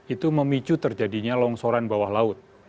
itu memicu terjadinya longsoran bawah laut